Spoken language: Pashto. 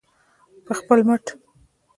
په خپل مټ.